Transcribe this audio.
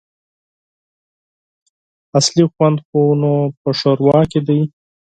اصلي خوند خو نو په ښوروا کي دی !